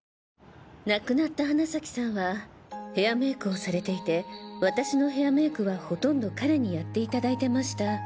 亡くなった花崎さんはヘアメイクをされていて私のヘアメイクはほとんど彼にやって頂いてました。